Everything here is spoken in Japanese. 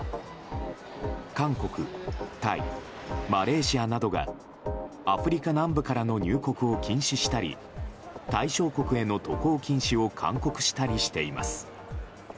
韓国、タイ、マレーシアなどがアフリカ南部からの入国を禁止したり対象国への渡航禁止を勧告したりしています。